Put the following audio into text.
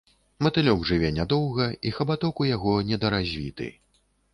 Матылёк жыве нядоўга, і хабаток ў яго недаразвіты.